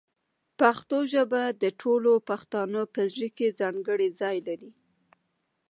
پښتو ژبه د ټولو پښتنو په زړه کې ځانګړی ځای لري.